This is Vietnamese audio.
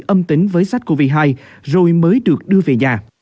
âm tính với sars cov hai rồi mới được đưa về nhà